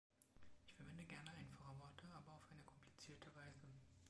Ich verwende gerne einfache Worte, aber auf eine komplizierte Weise.